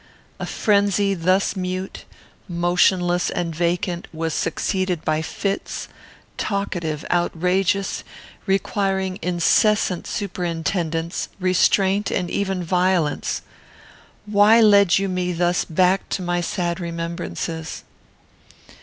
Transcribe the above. A frenzy thus mute, motionless, and vacant, was succeeded by fits, talkative, outrageous, requiring incessant superintendence, restraint, and even violence. "Why led you me thus back to my sad remembrances?